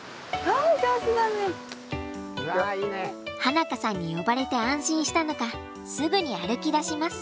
花香さんに呼ばれて安心したのかすぐに歩きだします。